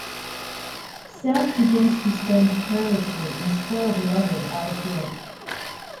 Sethe begins to spend carelessly and spoil Beloved out of guilt.